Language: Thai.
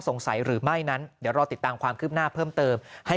หรือไม่นั้นเดี๋ยวรอติดตามความคืบหน้าเพิ่มเติมให้